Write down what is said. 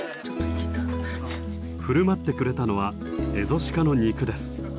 振る舞ってくれたのはエゾシカの肉です。